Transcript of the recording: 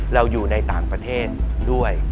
เราอยู่ในต่างประเทศด้วย